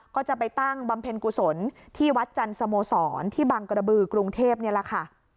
ก็จะไปตั้งบำเพ็ญกุศลที่วัดจันทร์สโมสรที่บังกระบือกรุงเทพนี่แหละค่ะ